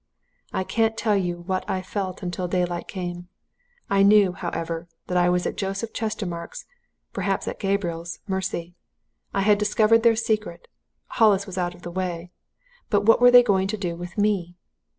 "I can't tell you what I felt until daylight came I knew, however, that I was at Joseph Chestermarke's perhaps at Gabriel's mercy. I had discovered their secret Hollis was out of the way but what were they going to do with me?